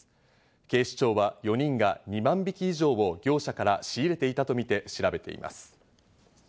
警視庁は４人が２万匹以上を業者から仕入れていたとみて調べています。